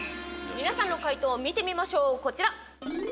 皆さんの解答を見てみましょう。